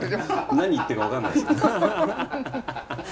何言ってるか分からないです。